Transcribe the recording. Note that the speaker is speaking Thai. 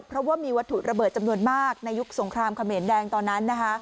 เพราะว่ามีวัตถุระเบิดจำนวนมากในยุคสงครามเขมรแดงตอนนั้นนะคะ